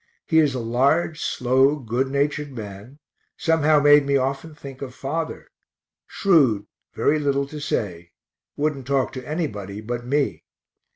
He is a large, slow, good natured man, somehow made me often think of father; shrewd, very little to say wouldn't talk to anybody but me.